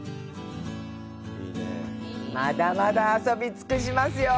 まだまだ遊びつくしますよ！